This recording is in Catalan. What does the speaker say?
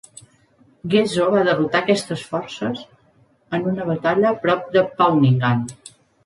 Ghezo va derrotar aquestes forces en una batalla prop de Paouingnan.